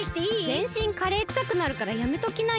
ぜんしんカレーくさくなるからやめときなよ。